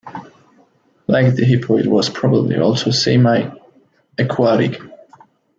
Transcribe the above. Like the hippo, it was probably also semi-aquatic.